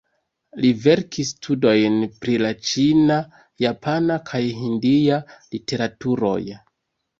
Li verkis studojn pri la ĉina, japana kaj hindia literaturoj.